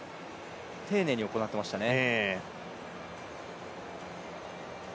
丁寧に行っていましたね。